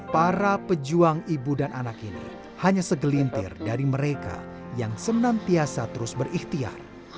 para pejuang ibu dan anak ini hanya segelintir dari mereka yang senantiasa terus berikhtiar